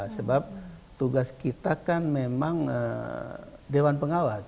sebab tugas kita kan memang dewan pengawas